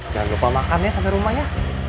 jangan lupa makan ya sampai rumahnya